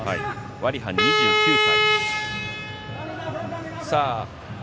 ワリハン、２９歳。